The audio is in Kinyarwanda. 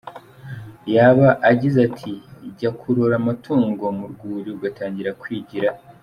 Yaba agize ati jya kurora amatungo mu rwuri ugatangira kwigira.